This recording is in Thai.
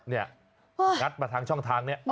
นี่นะงัดมาทางช่องทางเนี่ย